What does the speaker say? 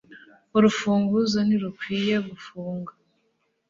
urufunguzo ntirukwiye gufunga